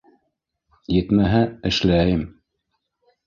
Етмәһә, эшләйем.